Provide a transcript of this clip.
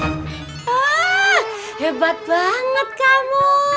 hah hebat banget kamu